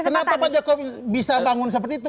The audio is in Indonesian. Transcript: kenapa pak jokowi bisa bangun seperti itu